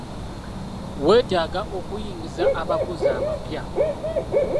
Wetaaga okuyingiza abakozi abapya.